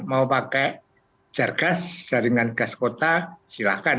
mau pakai jargas jaringan gas kota silahkan